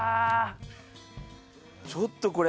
ちょっとこれ。